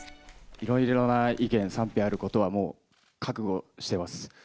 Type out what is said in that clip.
いろいろな意見、賛否あることはもう、覚悟してます。